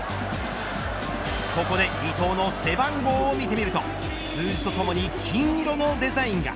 ここで伊東の背番号を見てみると数字とともに金色のデザインが。